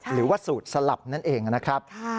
หรือว่าสูตรสลับนั่นเองนะครับ